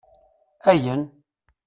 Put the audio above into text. Ayen?